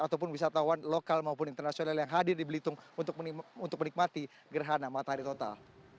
ataupun wisatawan lokal maupun internasional yang hadir di belitung untuk menikmati gerhana matahari total